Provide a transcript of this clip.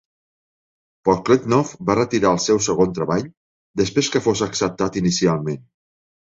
Podkletnov va retirar el seu segon treball després que fos acceptat inicialment.